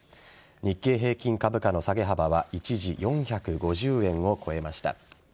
日経平均株価の下げ幅は一時４５０円を超えました。